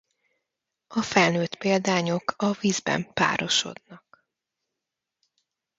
A felnőtt példányok a vízben párosodnak.